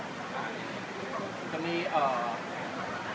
สวัสดีครับ